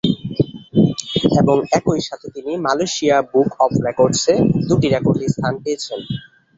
এবং একই সাথে তিনি মালয়েশিয়া বুক অফ রেকর্ডসে দুটি রেকর্ডে স্থান পেয়েছেন।